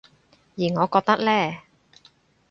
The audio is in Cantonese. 而我覺得呢